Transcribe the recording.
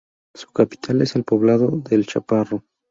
Su capital es el poblado de El Chaparro.